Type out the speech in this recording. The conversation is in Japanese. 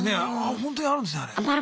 ほんとにあるんですねあれ。